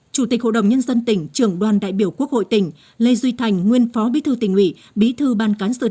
chủ tịch hội đồng nhân dân tỉnh trưởng đoàn đại biểu quốc hội tỉnh lê duy thành nguyên phó bí thư tỉnh ủy